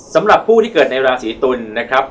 สำหรับผู้ที่เกิดในราศีตุลนะครับ